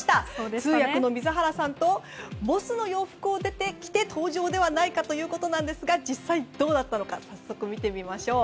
通訳の水原さんとＢＯＳＳの洋服を着て登場ではないかということでしたが実際、どうだったのか早速見てみましょう。